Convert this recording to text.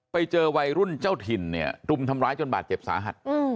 ไปเจอวัยรุ่นเจ้าถิ่นเนี่ยรุมทำร้ายจนบาดเจ็บสาหัส